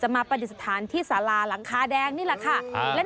มาปฏิสถานที่สาราหลังคาแดงนี่แหละค่ะ